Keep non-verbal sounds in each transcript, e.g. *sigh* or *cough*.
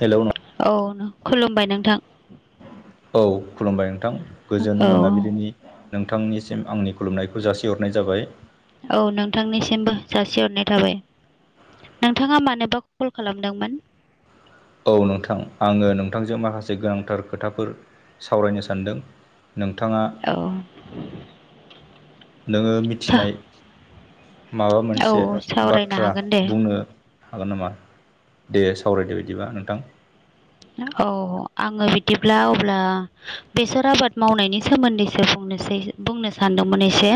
Hello. औ खुलुमबाय नोंथां। औ खुलुमबाय नोंथां। गोजोन औ मोनाबिलिनि नोंथांनिसिम आंनि खुलुमनायखौ जासिहरनाय जाबाय। औ नोंथांनिसिमबो जासिहरनाय थाबाय। नोंथाङा मानोबा कल खालामदोंमोन? औ नोंथां आङो नोंथांजों माखासे गोनांथार खोथाफोर सावरायनो सानदों नोंथाङा औ नोङो सा मिथिनाय माबा मोनसे औ सावरायनो बाथ्रा हागोन दे बुंनो हागोन नामा दे सावरायदो बिदिबा नोंथां औ आङो बिदिब्ला अब्ला बेसर आबाद मावनायनि सोमोन्दैसो बुंनोसै बुंनो सानदोंमोन एसे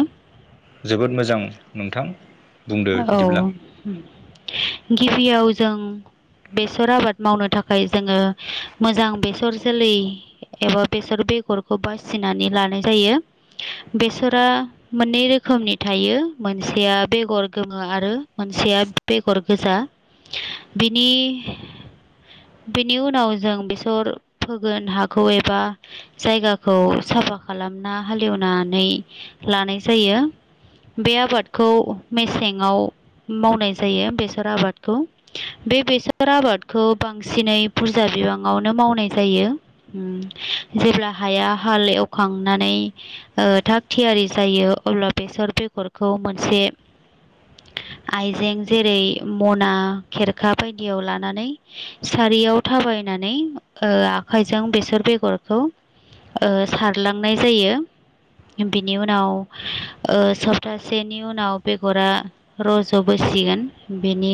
जोबोद मोजां नोंथां बुंदो बिदिब्ला औ गिबियाव जों बेसर आबाद मावनो थाखाय जोङो मोजां बेसर जोलै एबा बेसर बेगरखौ बासिनानै लानाय जायो। बेसरा मोननै रोखोमनि थायो मोनसेया बेगर गोमो आरो मोनसेया बेगर गोजा बिनि बेनि उनाव जों बेसर फोगोन हाखौ एबा जायगाखौ साफा खालामना हालेवनानै लानाय जायो। बे आबादखौ मेसेंङाव मावनाय जायो बेसर आबादखौ। बे बेसर आबादखौ बांसिनै बुरजा बिबाङावनो मावनाय जायो। उम जेब्ला हाया हाल एवखांनानै ओ थाग थियारि जायो अब्ला बेसर बेगरखौ मोनसे आइजें जेरै मना खेरखा बायदियाव लानानै सारियाव थाबायनानै ओ आखाइजों बेसर बेगरखौ ओ सारलांनाय जायो। बिनि उनाव ओ सप्तासेनि उनाव बेगरा रज'बोसिगोन बेनि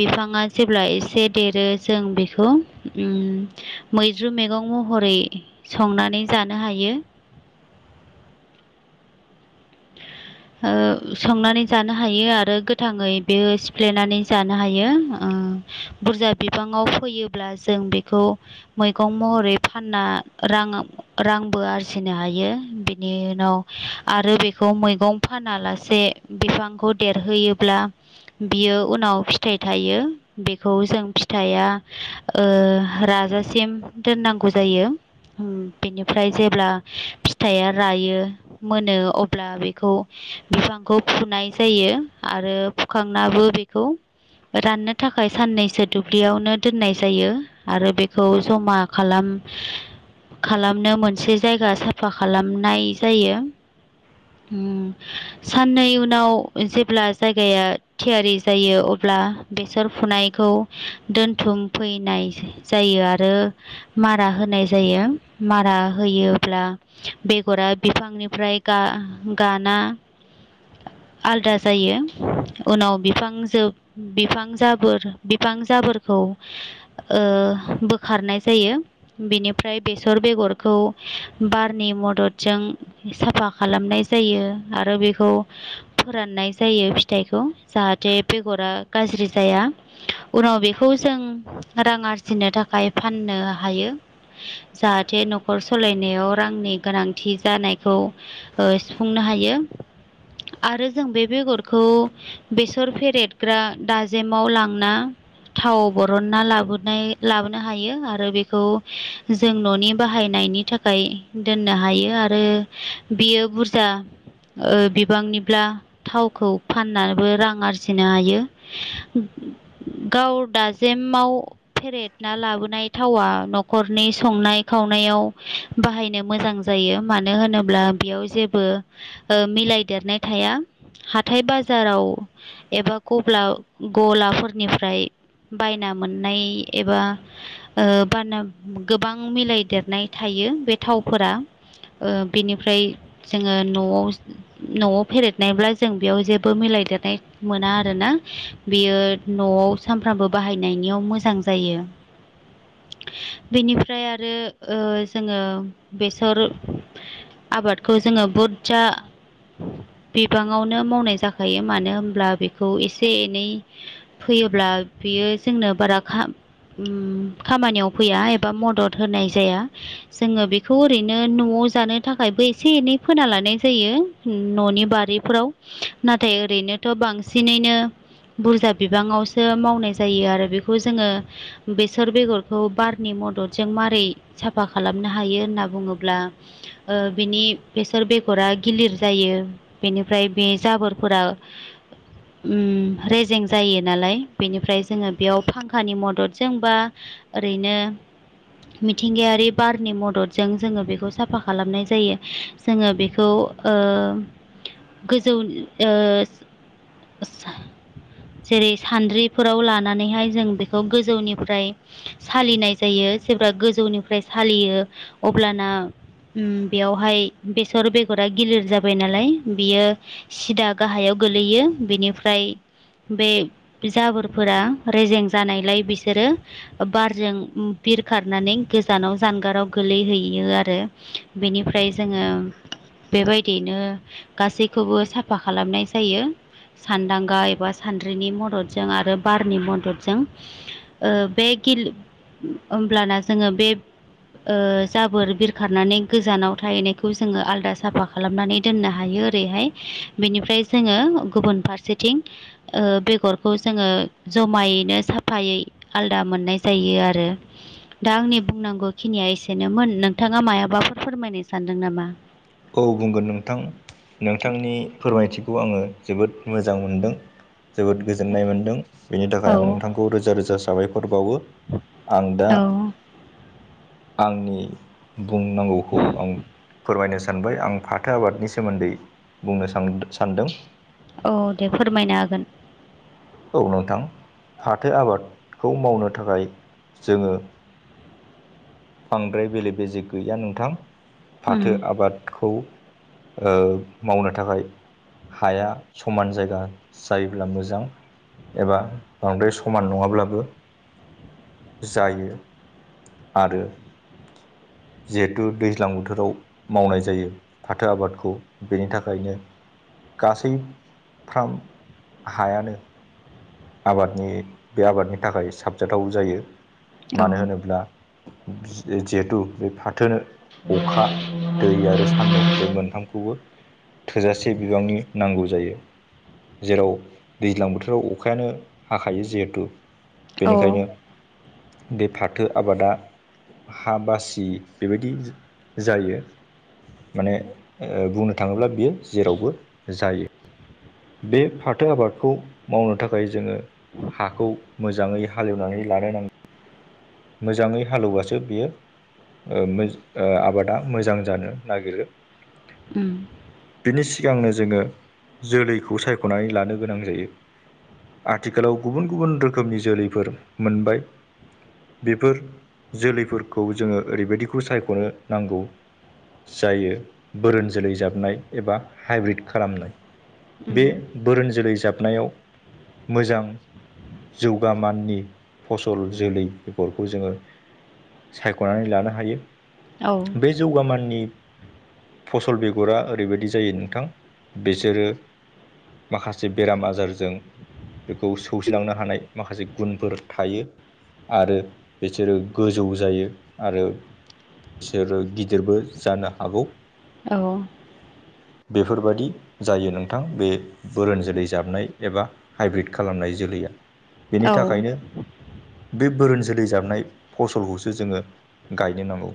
बिफाङा जेब्ला एसे देरो जों बेखौ उम मैद्रु मैगं महरै संनानै जानो हायो। *inaudible* ओ संनानै जानो हायो आरो गोथाङै बेयो सिफ्लेनानै जानो हायो ओ बुरजा बिबाङाव फैयोब्ला जों बेखौ मैगं महरै फानना रां रांबो आरजिनो हायो बिनि उनाव आरो बे खौ मैगं फानालासे बिफांखौ देरहोयोब्ला बियो उनाव फिथाइ थायो बेखौ जों फिथाइया ओ राजासिम दोननांगौ जायो। बेनिफ्राय जेब्ला फिथाइया रायो मोनो अ ब्ला बेखौ बिफांखौ फुनाय जायो आरो फुखांनाबो बेखौ राननो थाखाय साननैसो दुब्लियावनो दोननाय जायो आरो बेखौ जमा खालाम खालामनो मोनसे जायगा साफा खालामनाय जायो। उम साननै उनाव जेब्ला जायगाया थियारि जायो अब्ला बेसर फुनायखौ दोनथुम फैनाय जायो आरो मारा होनाय जायो मारा होयोब्ला बेगरा बिफांनिफ्राय गा-गाना आलदा जायो उनाव बिफां जोब बिफां जाबोर बिफां जाबोरखौ ओ बोखारनाय जायो बेनिफ्राय बेसर बेगरखौ बारनि मददजों साफा खालामनाय जायो आरो बेखौ फोराननाय जायो फिथाइखौ जाहाथे बेगरा गाज्रि जाया उनाव बेखौ जों रां आरजिनो थाखाय फाननो हायो जाहाथे न'खर सलायनायाव रांनि गोनांथि जानायखौ ओ सुफुंनो हायो आरो जों बे बेगरखौ बेसर फेरेदग्रा दाजेमाव लांना थाव बरनना लाबोनाय लाबोनो हायो आरो बेखौ जों न'नि बाहायनायनि था खाय दोननो हायो आरो बियो बुरजा ओ बिबांनिब्ला थावखौ फाननाबो रां आरजिनो हायो। गाव दाजेमाव फेरेदना लाबोनाय थावा न'खरनि संनाय खावनायाव बाहायनो मोजां जायो मानो होनोब्ला बेयाव जेबो ओ मिलायदेरनाय थाया हाथाय बाजाराव एबा गब्ला गलाफोरनिफ्राय बायना मोननाय एबा ओ बाना गोबां मिलायदेरनाय थायो बे थावफोरा ओ बेनिफ्राय जोङो न'आव न'आव फेरदनायब्ला जों बेयाव जेबो मिलायदेरनाय मोना आरोना बेयो न'आव सानफ्रामबो बाहायनायनियाव मोजां जायो। *inaudible* बेनिफ्राय आरो ओ जोङो बेसर आबादखौ जोङो बुदजा बिबाङावनो मावनाय जाखायो मानो होनब्ला बेखौ एसे एनै फैयोब्ला बियो जोंनो बारा खा औम खामानियाव फैया एबा मदद होनाय जाया। जोङो बेखौ ओरैनो न'आव जानो थाखाय बै एसे एनै फोना लानाय जायो न'नि बारिफोराव नाथाय ओरैनोथ' बांसिनैनो बुरजा बिबाङावसो मावनाय जायो आरो बेखौ जोङो बेसर बेगरखौ बारनि मददजों मारै साफा खालामनो हायो होनना बुङोब्ला ओ बेनि बेसर बेगरा गिलिर जायो बेनिफ्राय बे जाबोरफोरा *inaudible* उम रेजें जायो नालाय बेनिफ्राय जोङो बेयाव फांखानि मददजों बा ओरैनो मिथिंगायारि बारनि मददजों जोङो बेखौ साफा खालामनाय जायो जोङो बेखौ ओ गोजौ ओ आदसा जेरै सान्द्रिफोराव लानानैहाय जों बेखौ गोजौनिफ्राय सालिनाय जायो जेब्ला गोजौनिफ्राय सालियो अब्लाना उम बेयावहाय बेसर बेगरा गिलिर जाबाय नालाय बियो सिदा गाहायाव गोलैयो बिनिफ्राय बे जाबोरफोरा रेजें जानायलाय बिसोरो बारजों बिरखारनानै गोजानाव जानगाराव गोलैहैयो आरो बेनिफ्राय जोङो बेबायदियैनो गासैखोबो साफा खालामनाय जायो। सानदांगा एबा सानद्रिनि मददजों आरो बारनि मददजों। ओ बे गिलि ओमब्लाना जोङो बे ओ जाबोर बिरखारनानै गोजानाव थाहैनायखौ जोङो आलादा साफा खालामनानै दोननो हायो ओरैहाय बेनिफ्राय जोङो गुबुन फारसेथिं ओ बेगरखौ जोङो जमायैनो साफायै आलादा मोननाय जायो आरो। दा आंनि बुंनांगौ खिनिया एसेनोमोन नोंथाङा मायाबाफोर फोरमायनो सानदों नामा औ बुंगोन नोंथां। नोंथांनि फोरमायथिखौ आङो जोबोद मोजां मोनदों जोबोद गोजोननाय मोन्दों बेनि थाखाय आं औ नोंथांखौ रोजा रोजा साबायखर बावो आं दा औ आंनि बुंनांगौखौ आं फोरमायनो सानबाय आं फाथो आबादनि सोमोन्दै बुंनो सान सानदों। औ दे फोरमायनो हागोन। औ नोंथां फाथो आबादखौ मावनो थाखाय जोङो बांद्राय बेले बेजे गैया नोंथां हागोन फाथो आबादखौ ओ मावनो थाखाय हाया समान जायगा जायोब्ला मोजां एबा बांद्राय समान नङाब्लाबो जायो। आरो जिहेथु दैज्लां बोथोराव मावनाय जायो। फाथो आबादखौ बेनि थाखायनो गासैफ्राम हायानो आबादनि बे आबादनि थाखाय साबजाथाव जायो मानो होनोब्ला जिहेथु बे फाथोनो अखा दै आरो सान्दुं बे मोनथामखौबो थोजासे बिबांनि नांगौ जायो जेराव दैज्लां बोथोराव अखायानो हाखायो जिहेथु उम औ बेनिखायनो बे फाथो आबादा हा बासि बेबायदि जायो माने बुंनो थाङोब्ला बियो जेरावबो जायो बे फाथो आबादखौ मावनो थाखाय जोङो हाखौ मोजाङै हालेवनानै लानो नांगोन मोजाङै हालेवबासो बियो ओ आबादा मोजां जानो नागिरो ओम बिनि सिगांनो जोङो जोलैखौ सायख'नानै लानो गोनां जायो आथिखालाव गुबुन गुबुन रोखोमनि जोलैफोर मोनबाय बेफोर जोलैफोरखौ जोङो ओरैबायदिखौ सायख'नो नांगौ जायो बोरोन जोलै जाबनाय एबा हाइब्रिद खालामनाय उम बे बोरोन जोलै जाबनायाव मोजां जौगा माननि फसल जोलै बेगरखौ जोङो सायख'नानै लानो हायो औ जौगाामाननि फसल बेगरा ओरैबायदि जायो नोंथां बिसोरो माखासे बेराम आजारजों बेखौ सौसिलांनो हानाय माखासे गुनफोर थायो आरो बिसोरो गोजौ जायो आरो बिसोरो गिदिरबो जानो हागौ औ बेफोरबायादि जायो नों गोथां बे बोरोन जोलै जाबनाय एबा हाइब्रिद खालामनाय जोलैया बेनि औ थाखायनो बे बोरोन जोलै जाबनाय फसलखौसो जोङो गायनो नांगौ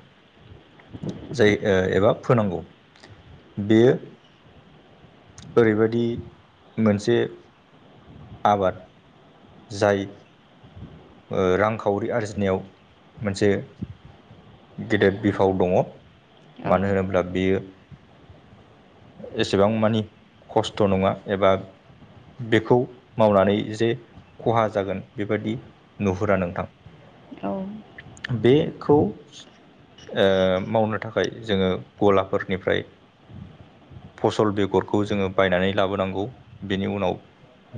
जायो एबा फोनांगौ बेयो ओरैबादि मोनसे आबाद जाय ओ रांखावरि आरजिनायाव मोनसे गेदेद बिफाव दङ। औ मानो होनोब्ला बेयो एसेबां मानि खस्थ' नङा एबा बेखौ मावनानै जे खहा जागोन बेबादि नुहुरा नोंथां। औ बेखौ मावनो थाखाय जोङो गलाफोरनिफ्राय फसल बेगर खौ जोङो बायनानै लाबोनांगौ बेनि उनाव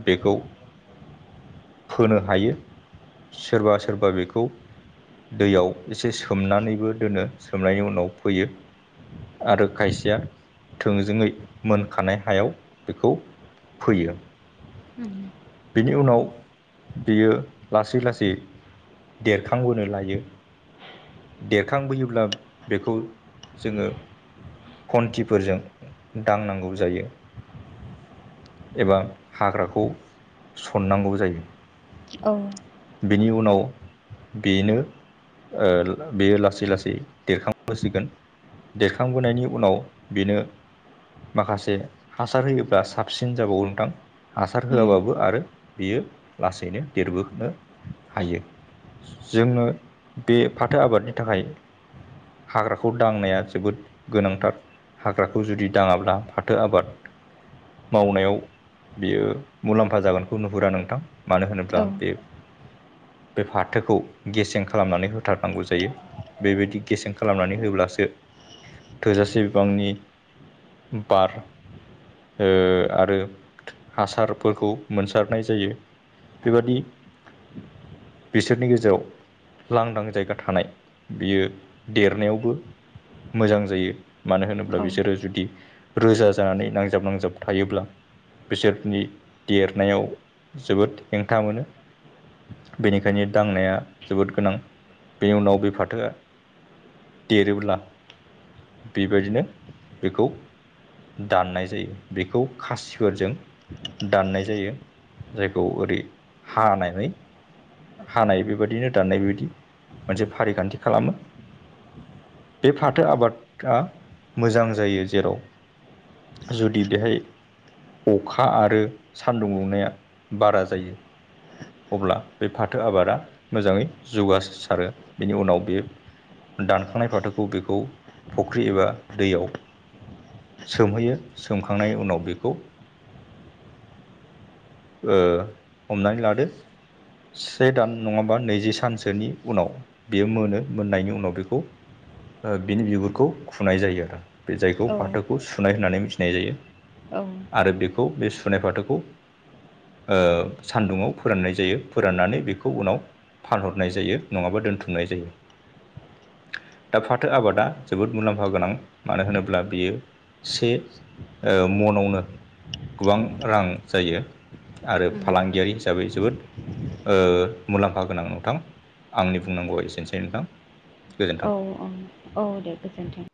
बेखौ फोनो हायो सोरबा सोरबा बेखौ दैयाव एसे सोमनानैबो दोनो सोमनायनि उनाव फोयो आरो खायसेया थोंजोङै मोन खानाय हायाव बेखौ फैयो। उम बिनि उनाव बियो लासै लासै देरखांबोनो लायो। देरखांबोयोब्ला बेखौ जोङो खन्थिफोरजों दांनांगौ जायो। एबा हाग्राखौ सननांगौ जायो। ओं बेनि उनाव बेनो ओ बेयो लासै लासै देरखांबोसिगोन। देरखांबोनायनि उनाव बेनो माखासे हासार होयोब्ला साब सिन जाबावो नोंथां हासार होआबाबो आरो बेयो लासैनो देरबोखोनो हायो। जोङो बे फाथो आबादनि थाखाय हाग्राखौ दांनाया जोबोद गोनांथार हाग्राखौ जुदि दाङाब्ला फाथो आबाद मावनायाव बेयो मुलाम्फा जागोनखौ नुहुरा नोंथां। मानो होनोब्ला बे औ बे फाथोखौ गेसें खालामनानै होथारनांगौ जायो। बेबायदि गेसें खालामनानै होब्लासो थोजासे बिबांनि बार ओ आरो हासारफोरखौ मोनसारनाय जायो बेबादि बिसोरनि गेजेराव लांदां जायगा थानाय बेयो देरनायावबो मोजां जायो। मानो होनोब्ला उम बिसोरो जुदि रोजा जानानै नांजाब नांजाब थायोब्ला बिसोरनि देरनायाव जोबोद हेंथा मोनो। बेनिखायनो दांनाया जोबोद गोनां बे उनाव बे फाथोआ देरोब्ला बेबायदिनो बेखौ दाननाय जायो। बेखौ खासिफोरजों दाननाय जायो जायखौ ओरै हानानै हानाय बेबायदिनो दाननाय बेबायदि मोनसे फारिखान्थि खालामो। बे फाथो आबादआ मोजां जायो जेराव बि बेहाय अखा आरो सानदुं दुंनाया बारा जायो। अब्ला बे फाथो आबादा मोजाङै जौगासारो बेनि उनाव बे दानखांनाय फाथोखौ बेखौ फुख्रि एबा दैयाव सोमहैयो सोमखांनाय उनाव बेखौ ओ हमनानै लादो से दान नङाबा नैजि सानसोनि उनाव बेयो मोनो मोननायनि उनाव बेखौ ओ बिनि बिगुरखौ खुनाय जायो आरो। बे जायखौ औ फाथोखौ सुनाय होननानै मिथिनाय जायो। औ आरो बेखौ बे सुनाय फाथोखौ ओ सान्दुङाव फोराननाय जायो फोराननानै बेखौ उनाव फानहरनाय जायो नङाबा दोनथुमनाय जायो। दा फाथो आबादा जोबोद मुलाम्फा गोनां मानो होनोब्ला बियो से ओ मनावनो गोबां रां जायो। आरो उम फालांगियारि हिसाबै जोबोद ओ मुलाम्फा गोनां नोंथां आंनि बुंनांगौआ एसेनोसै नोंथां। औ गोजोन्थों औ औ दे गोजोन्थों।